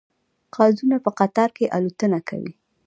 قازونه په قطار کې الوتنه کوي